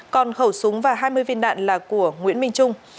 còn khẩu súng và hai mươi viên đạn là của nguyễn minh trung